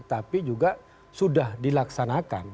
tapi juga sudah dilaksanakan